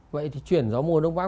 vậy thì chuyển gió mùa đông bắc